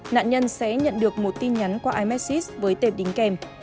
nạn nhân sẽ nhận được một tin nhắn qua imesse với tệp đính kèm